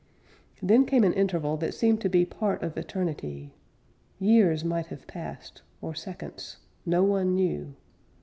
Then came an interval that seemed to be Part of eternity. Years might have passed, or seconds; No one knew!